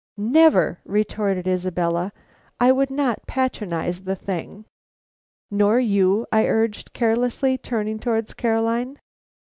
"Never!" retorted Isabella. "I would not patronize the thing." "Nor you?" I urged, carelessly, turning towards Caroline.